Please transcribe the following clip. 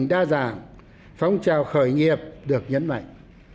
đa dạng phong trào khởi nghiệp được nhấn mạnh